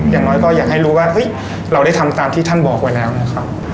อย่างน้อยก็อยากให้รู้ว่าเฮ้ยเราได้ทำตามที่ท่านบอกไว้แล้วนะครับ